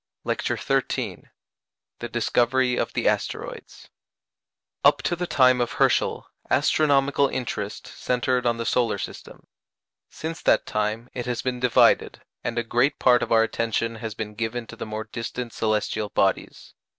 LECTURE XIII THE DISCOVERY OF THE ASTEROIDS Up to the time of Herschel, astronomical interest centred on the solar system. Since that time it has been divided, and a great part of our attention has been given to the more distant celestial bodies.